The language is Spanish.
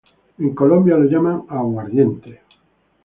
En Colombia lo llaman aguardiente.